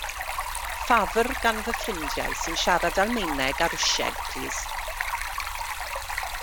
Ffafr gan fy ffrindiau sy'n siarad Almaeneg a Rwsieg plîs.